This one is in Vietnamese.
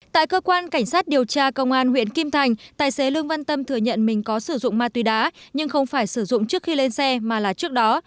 tại cơ quan cảnh sát điều tra công an huyện kim thành tài xế lương văn tâm thừa nhận mình có sử dụng ma túy đá nhưng không phải sử dụng trước khi lên xe mà là trước đó